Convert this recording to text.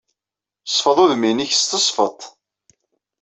Sfeḍ udem-nnek s tesfeḍt.